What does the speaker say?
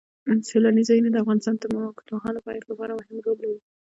سیلانی ځایونه د افغانستان د اوږدمهاله پایښت لپاره مهم رول لري.